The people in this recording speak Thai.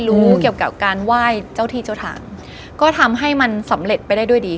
รู้เกี่ยวกับการไหว้เจ้าที่เจ้าทางก็ทำให้มันสำเร็จไปได้ด้วยดี